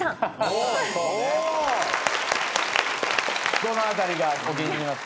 どの辺りがお気に入りだった？